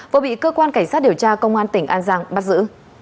vừa bị cơ quan cảnh sát điều tra công an tỉnh an giang bắt giữ